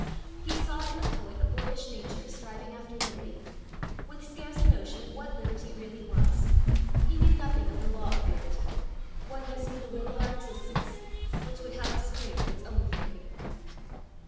He saw in the poet a boyish nature striving after liberty, with scarce a notion of what liberty really was: he knew nothing of the law of liberty oneness with the will of our existence, which would have us free with its own freedom.